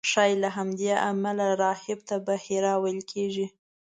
ښایي له همدې امله راهب ته بحیرا ویل کېږي.